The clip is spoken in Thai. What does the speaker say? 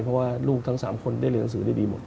เพราะว่าลูกทั้ง๓คนได้เรียนหนังสือได้ดีหมด